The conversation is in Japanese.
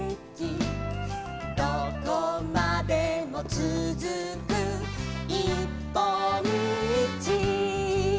「どこまでもつづくいっぽんみち」